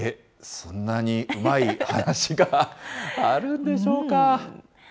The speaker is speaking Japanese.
そんなにうまい話があるんでしょうか。